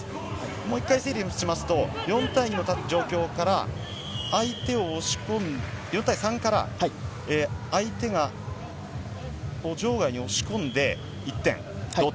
もう１回整理しますと、４対２の状況から相手を押し込んで４対３から相手を場外に押し込んで１点、同点。